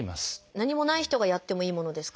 何もない人がやってもいいものですか？